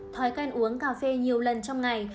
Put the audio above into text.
thói can uống cà phê nhiều lần trong ngày